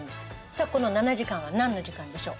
さあこの７時間はなんの時間でしょう？